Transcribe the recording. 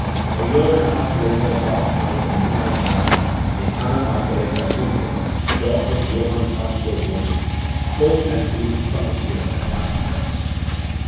A year and a half later Bach found a new life partner in Anna Magdalena Wiilken, the daughter of Johann Caspar Wiilken, Court and field trumpeter at Weissenfels.